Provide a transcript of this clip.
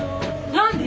何で？